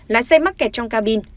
lái xe mắc kẹt trong cabin